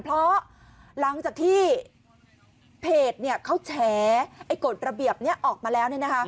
เพราะหลังจากที่เพจเขาแฉกฎระเบียบนี้ออกมาแล้ว